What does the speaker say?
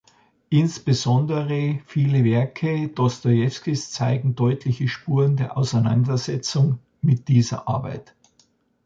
Insbesondere viele Werke Dostojewskis zeigen deutliche Spuren der Auseinandersetzung mit dieser Arbeit.